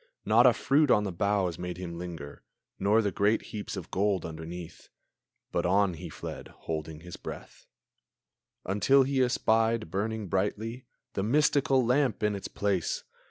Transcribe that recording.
Not a fruit on the boughs made him linger, Nor the great heaps of gold underneath. But on he fled, holding his breath, Until he espied, brightly burning, The mystical lamp in its place!